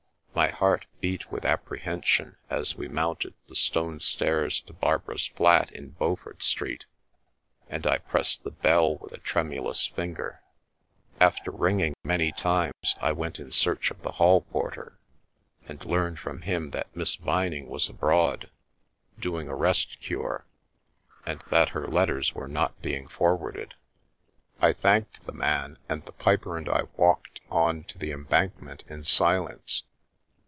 My heart beat with apprehen sion as we mounted the stone stairs to Barbara's flat in Beaufort Street, and I pressed the bell with a tremu lous finger. After ringing many times I went in search of the hall porter, and learned from him that Miss Vining was abroad, "doing a rest cure," and that her letters were not being forwarded. I thanked the man, and the piper and I walked on to the Embankment in silence.